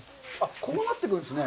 こうなってくるんですね。